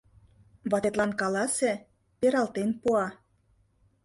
— Ватетлан каласе — пералтен пуа.